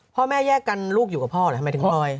พ่อแม่แยกกันลูกอยู่กับพ่อเหรอทำไมถึงพลอย